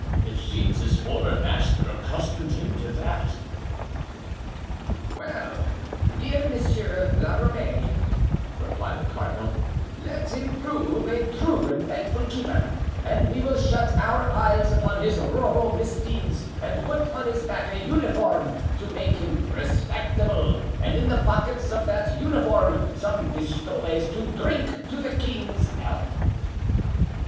It seems his former master accustomed him to that." "Well, dear Monsieur la Ramee," replied the cardinal "let him prove a true and thankful keeper and we will shut our eyes upon his rural misdeeds and put on his back a uniform to make him respectable, and in the pockets of that uniform some pistoles to drink to the king's health."